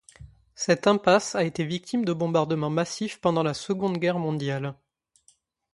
Cette impasse a été victime de bombardements massifs pendants la seconde guerre mondiale.